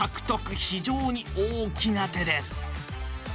非常に大きな手です。